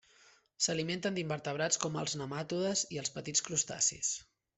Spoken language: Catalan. S'alimenten d'invertebrats com els nematodes i els petits crustacis.